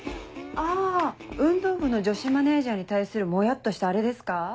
あ運動部の女子マネジャーに対するモヤっとしたアレですか？